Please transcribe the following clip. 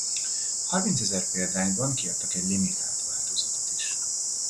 Harmincezer példányban kiadtak egy limitált változatot is.